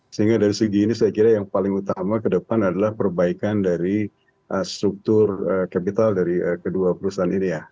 sehingga dari segi ini saya kira yang paling utama ke depan adalah perbaikan dari struktur capital dari kedua perusahaan ini ya